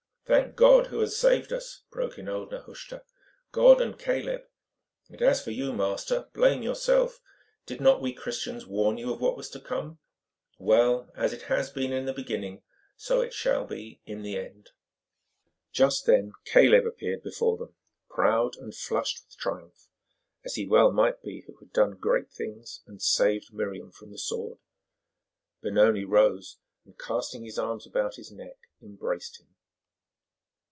"Thank God Who has saved us," broke in old Nehushta, "God and Caleb; and as for you, master, blame yourself. Did not we Christians warn you of what was to come? Well, as it has been in the beginning, so it shall be in the end." Just then Caleb appeared before them, proud and flushed with triumph, as he well might be who had done great things and saved Miriam from the sword. Benoni rose and, casting his arms about his neck, embraced him.